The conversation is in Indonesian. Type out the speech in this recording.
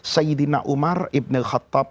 sayyidina umar ibn khattab